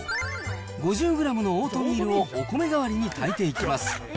５０グラムのオートミールをお米代わりに炊いていきます。